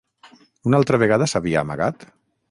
Una altra vegada s'havia amagat?